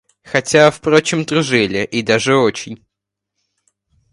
Хотя, впрочем, дружили, и даже очень.